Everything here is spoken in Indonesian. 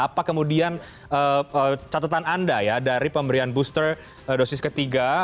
apa kemudian catatan anda ya dari pemberian booster dosis ketiga